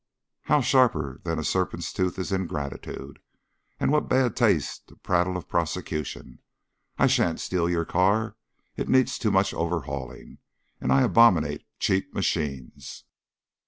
"How sharper than a serpent's tooth is ingratitude! And what bad taste to prattle of prosecution. I sha'n't steal your car, it needs too much overhauling. And I abominate cheap machines.